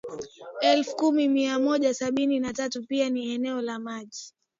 elfu kumi mia moja sabini na tatu ni eneo la maji